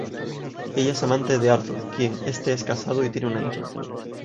Ella es amante de Arthur, quien este es casado y tiene una hija.